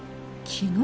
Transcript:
昨日？